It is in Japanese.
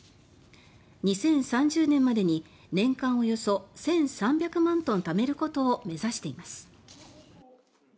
２０３０年までに年間およそ１３００万トンをためることを目指しています。